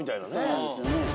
そうなんですよね。